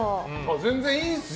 全然いいですよ。